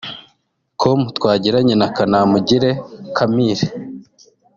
com twagiranye na Kanamugire Camille